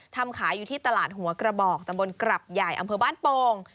ขายอยู่ที่ตลาดหัวกระบอกตำบลกรับใหญ่อำเภอบ้านโป่ง